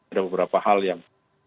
ada beberapa hal yang